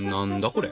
これ。